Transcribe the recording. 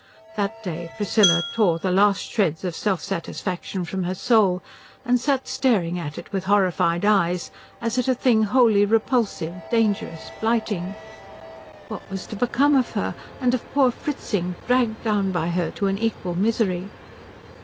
That day Priscilla tore the last shreds of self satisfaction from her soul and sat staring at it with horrified eyes as at a thing wholly repulsive, dangerous, blighting. What was to become of her, and of poor Fritzing, dragged down by her to an equal misery?